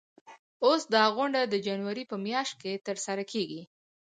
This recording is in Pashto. اوس دا غونډه د جنوري په میاشت کې ترسره کیږي.